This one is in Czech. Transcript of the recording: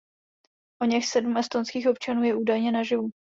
Oněch sedm estonských občanů je údajně naživu.